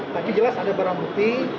tadi jelas ada barang bukti